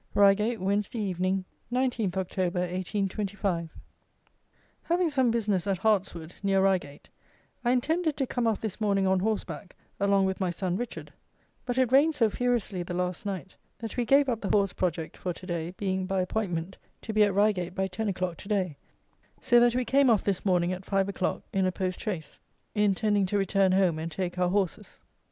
Reigate, Wednesday Evening, 19th October, 1825. Having some business at Hartswood, near Reigate, I intended to come off this morning on horseback, along with my son Richard, but it rained so furiously the last night, that we gave up the horse project for to day, being, by appointment, to be at Reigate by ten o'clock to day: so that we came off this morning at five o'clock, in a post chaise, intending to return home and take our horses.